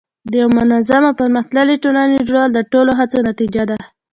د یوه منظم او پرمختللي ټولنې جوړول د ټولو هڅو نتیجه ده.